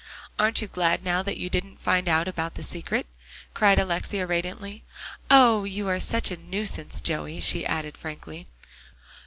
"Aren't you glad now that you didn't find out about the secret?" cried Alexia radiantly. "Oh! you are such a nuisance, Joey," she added frankly.